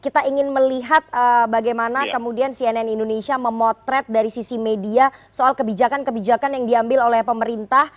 kita ingin melihat bagaimana kemudian cnn indonesia memotret dari sisi media soal kebijakan kebijakan yang diambil oleh pemerintah